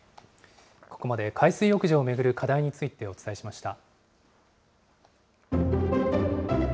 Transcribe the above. ここまで、海水浴場を巡る課題についてお伝えしました。